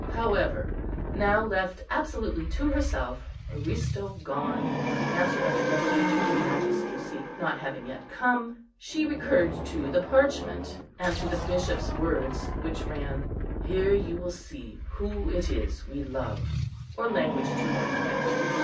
However, now left absolutely to herself, Aristo gone, and the answer of the government to the magistracy not having yet come, she recurred to the parchment, and to the Bishop's words, which ran, "Here you will see who it is we love," or language to that effect.